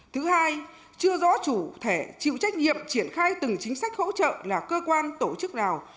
thứ hai chưa rõ chủ thẻ chịu trách nhiệm triển khai từng chính sách hỗ trợ là cơ quan tổ chức nào